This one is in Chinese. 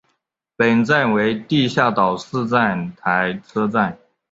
本站为地下岛式站台车站。